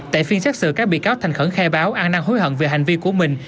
tại phiên xét xử các bị cáo thành khẩn khai báo an năng hối hận về hành vi của mình